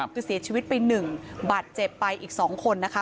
คือเสียชีวิตไปหนึ่งบัดเจ็บไปอีกสองคนนะคะ